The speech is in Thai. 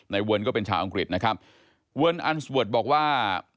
เวิร์นก็เป็นชาวอังกฤษนะครับเวิร์นอันสเวิร์ดบอกว่า